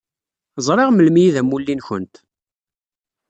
Zṛiɣ melmi i d amulli-nkent.